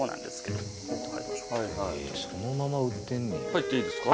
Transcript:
入っていいですか？